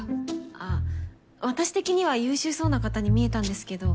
あっ私的には優秀そうな方に見えたんですけど。